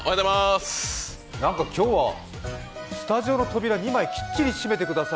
なんか今日はスタジオの扉２枚きっちり閉めてください